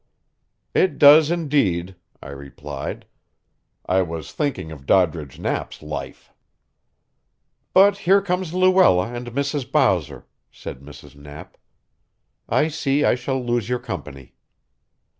"It does indeed," I replied. I was thinking of Doddridge Knapp's life. "But here come Luella and Mrs. Bowser," said Mrs. Knapp. "I see I shall lose your company."